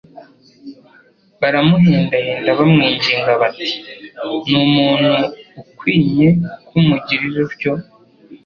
Baramuhendahenda bamwinginga bati : «Ni umuntu ukwinye ko umugirira utyo